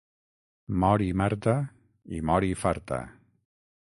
Mori, Marta, i mori farta.